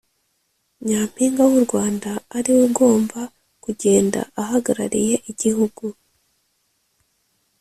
Nyampinga w’u Rwanda ari we ugomba kugenda ahagarariye igihugu